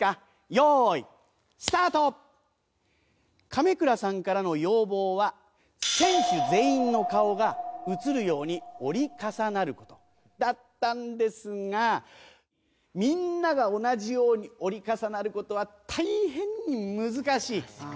亀倉さんからの要望は選手全員の顔が写るように折り重なる事だったんですがみんなが同じように折り重なる事は大変難しい。